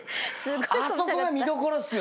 あそこが見どころっすよね。